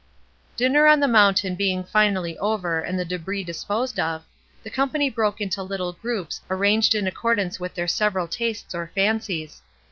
Dinner on the mountain being finally over and the d6bris disposed of, the company broke into little groups arranged in accordance with their several tastes or fancies.